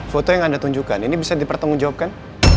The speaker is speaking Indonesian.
foto yang anda tunjukkan ini bisa dipertanggungjawabkan